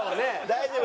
大丈夫？